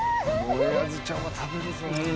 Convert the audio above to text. もえあずちゃんは食べるぞ。